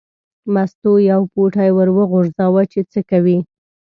مستو یو پوټی ور وغورځاوه چې څه کوي.